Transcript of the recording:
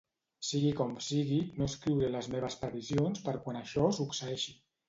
Sigui com sigui, no escriuré les meves previsions per quan això succeeixi.